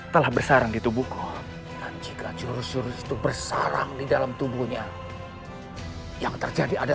telah bersarang di tubuhku jika jurus jurus itu bersarang di dalam tubuhnya yang terjadi